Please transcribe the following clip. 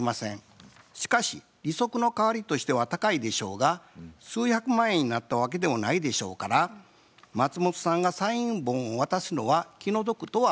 しかし利息の代わりとしては高いでしょうが数百万円になったわけでもないでしょうから松本さんがサイン本を渡すのは気の毒とは思われません。